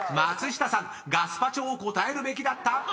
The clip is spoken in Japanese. ［松下さん「ガスパチョ」を答えるべきだった！］